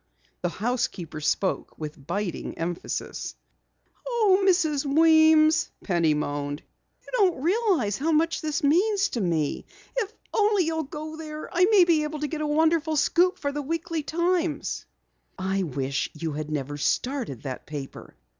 The housekeeper spoke with biting emphasis. "Oh, Mrs. Weems," Penny moaned. "You don't realize how much this means to me! If only you'll go there, I may be able to get a wonderful scoop for the Weekly Times." "I wish you never had started that paper.